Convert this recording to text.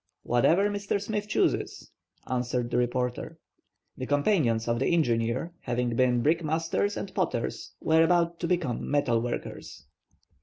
"Whatever Mr. Smith chooses," answered the reporter. The companions of the engineer, having been brickmakers and potters, were about to become metal workers.